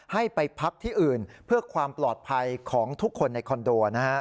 ให้ไปพักที่อื่นเพื่อความปลอดภัยของทุกคนในคอนโดนะฮะ